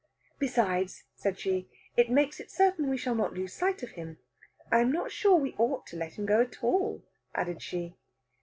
"Besides," said she, "it makes it certain we shall not lose sight of him. I'm not sure we ought to let him go at all," added she.